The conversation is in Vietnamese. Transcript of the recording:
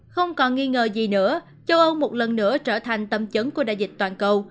không còn nghi ngờ gì nữa châu âu một lần nữa trở thành tâm chấn của đại dịch toàn cầu